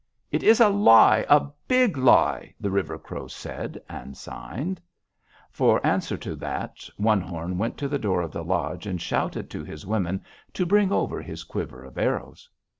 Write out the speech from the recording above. "'It is a lie! A big lie!' the River Crow said, and signed. "For answer to that, One Horn went to the door of the lodge and shouted to his women to bring over his quiver of arrows.